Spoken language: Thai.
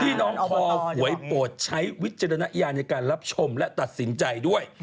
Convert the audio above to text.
น้องคอหวยโปรดใช้วิจารณญาณในการรับชมและตัดสินใจด้วย